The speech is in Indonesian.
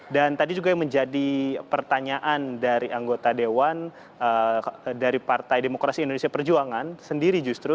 dan tadi juga menjadi pertanyaan dari anggota dewan dari partai demokrasi indonesia perjuangan sendiri justru